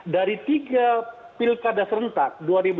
dari tiga pilkada serentak